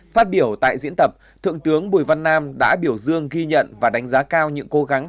phát biểu tại diễn tập thượng tướng bùi văn nam đã biểu dương ghi nhận và đánh giá cao những cố gắng